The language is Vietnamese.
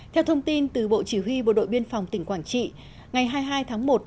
theo thông tin từ bộ chỉ huy bộ đội biên phòng tỉnh quảng trị ngày hai mươi hai tháng một